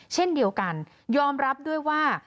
เช่นเดียวกันยอมรับด้วยว่า